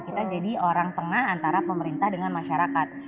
kita jadi orang tengah antara pemerintah dengan masyarakat